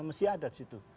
mesti ada di situ